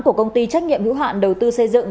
của công ty trách nhiệm hữu hạn đầu tư xây dựng